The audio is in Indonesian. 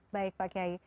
baik pak kyai